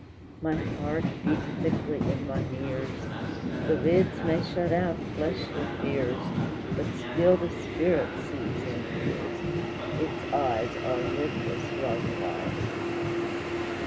My heart beat thickly in mine ears; The lids may shut out fleshly fears, But still the spirit sees and hears, Its eyes are lidless, Rosaline!